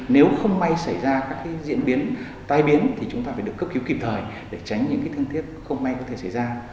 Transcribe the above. nếu không may xảy ra các diễn biến tai biến thì chúng ta phải được cấp cứu kịp thời để tránh những thân thiết không may có thể xảy ra